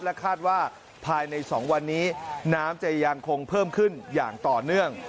คาดว่าภายใน๒วันนี้น้ำจะยังคงเพิ่มขึ้นอย่างต่อเนื่อง